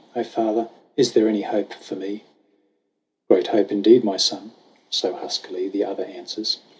O Father, is there any hope for me ?" "Great hope indeed, my son !" so huskily The other answers.